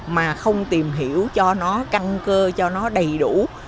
mà không tìm hiểu cho nó căn cơ cho nó đầy đủ